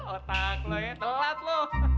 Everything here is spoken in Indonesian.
otak lo ya telat lo